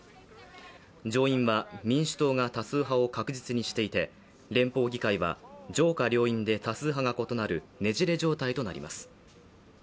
上院は民主党が多数派を確実にしていて連邦議会は上下両院で多数派が異なるねじれ状態となります。